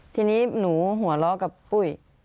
ทีนี้หนูหัวเราะกับปุ้ย